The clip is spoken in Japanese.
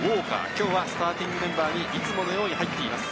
今日はスターティングメンバーにいつものように入っています。